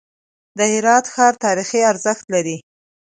د هرات ښار تاریخي ارزښت لري.